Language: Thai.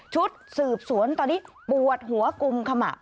ชุดสืบสวนตอนนี้ปวดหัวกุมขมับ